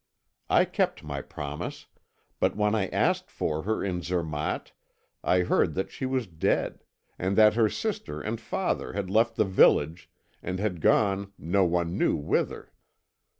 I kept my promise, but when I asked for her in Zermatt I heard that she was dead, and that her sister and father had left the village, and had gone no one knew whither.